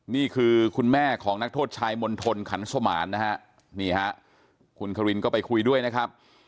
นี่คือคุณแม่ของนักโทษชายมณฑลขันสมานนะฮะนี่ฮะคุณครินก็ไปคุยด้วยนะครับ